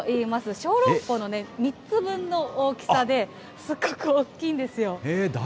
小籠包の３つ分の大きさで、すごく大きいんですよ。